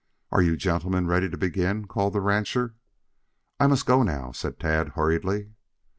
"Are you gentlemen ready to begin?" called the rancher. "I must go now," said Tad hurriedly.